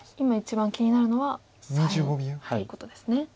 今一番気になるのは左辺ということですね。